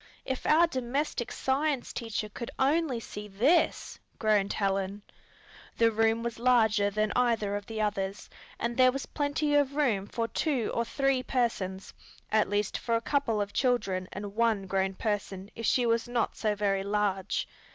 "If our domestic science teacher could only see this!" groaned Helen. The room was larger than either of the others, and there was plenty of room for two or three persons, at least for a couple of children and one grown person if she was not so very large.